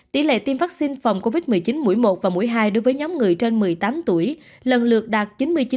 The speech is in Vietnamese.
tỷ lệ tiêm vaccine phòng covid một mươi chín mũi một và mũi hai đối với nhóm người trên một mươi tám tuổi lần lượt đạt chín mươi chín